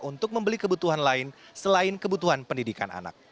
untuk membeli kebutuhan lain selain kebutuhan pendidikan anak